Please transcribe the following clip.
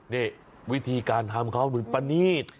นี่วิธีการทำเขาเป็นประนีท